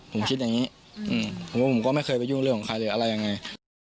ผมคิดอย่างนี้ผมว่าผมก็ไม่เคยไปยุ่งเรื่องของใครหรืออะไรยังไง